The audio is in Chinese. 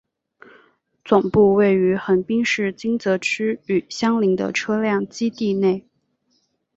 总部位于横滨市金泽区与相邻的车辆基地内。